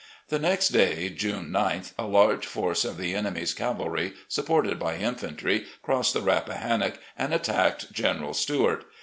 ..." The next day, June 9th, a large force of the enemy's cavalry, supported by infantry, crossed the Rappahan nock and attacked General Stuart.